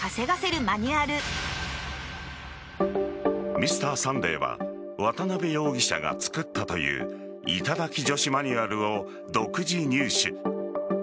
「Ｍｒ．サンデー」は渡辺容疑者が作ったという頂き女子マニュアルを独自入手。